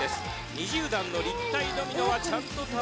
２０段の立体ドミノはちゃんと倒れるのか？